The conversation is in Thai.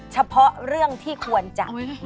เฉพาะเรื่องที่ควรจะ